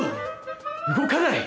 動かない！